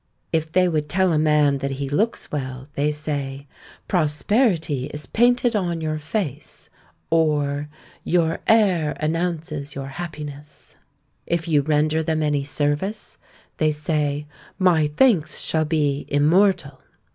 If they would tell a man that he looks well, they say, Prosperity is painted on your face: or, Your air announces your happiness. If you render them any service, they say, My thanks shall be immortal.